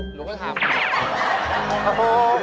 หนูก็ทำ